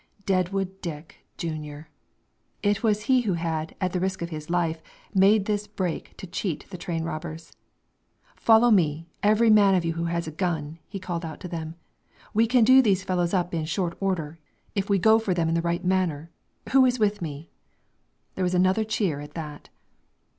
Deadwood Dick, Junior! He it was who had, at the risk of his life, made this break to cheat the train robbers. "Follow me, every man of you who has a gun!" he called out to them. "We can do these fellows up in short order, if we go for them in the right manner. Who is with me?" There was another cheer at that.